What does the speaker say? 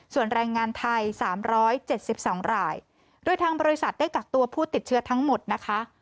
ส่วนแรงงานไทย๓๗๒รายโดยทางบริษัทได้กักตัวผู้ติดเชื้อทั้งหมดนะคะ